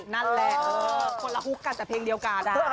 นั่นแหละคนละฮุกกันแต่เพลงเดียวกัน